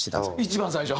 一番最初。